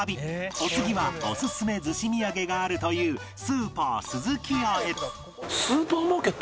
お次はオススメ逗子土産があるというスーパースズキヤへ